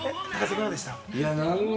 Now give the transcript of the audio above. いかがでした？